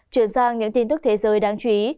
trước ra những tin tức thế giới đáng chú ý